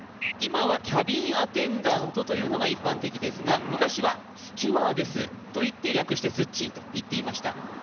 今はキャビンアテンダントと言うのが一般的ですが昔はスチュワーデスと言って略してスッチーと言っていました